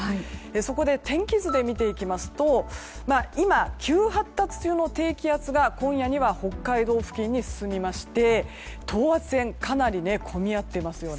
そこで天気図で見ていきますと今、急発達中の低気圧が今夜には北海道付近に進みまして等圧線かなり込み合っていますね。